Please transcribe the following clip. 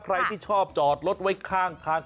ใครที่ชอบจอดรถไว้ข้างทาง